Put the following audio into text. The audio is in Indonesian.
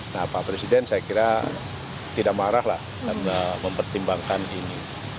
nah pak presiden saya kira tidak marah lah karena mempertimbangkan ini